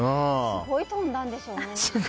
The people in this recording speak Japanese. すごい跳んだんでしょうね。